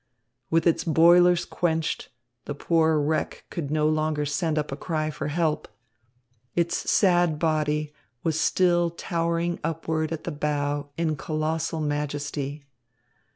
With its boilers quenched, the poor wreck could no longer send up a cry for help. Its sad body was still towering upward at the bow in colossal majesty.